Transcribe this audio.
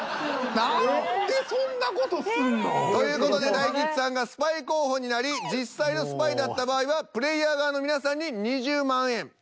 何でそんな事すんの！？という事で大吉さんがスパイ候補になり実際のスパイだった場合はプレイヤー側の皆さんに２０万円